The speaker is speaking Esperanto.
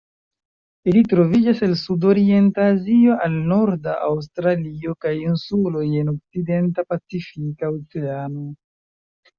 Ili troviĝas el Sudorienta Azio al norda Aŭstralio kaj insuloj en okcidenta Pacifika Oceano.